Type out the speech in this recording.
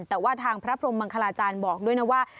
แต่ว่าทางพระพรมมังคลาจารย์บอกด้วยนะว่า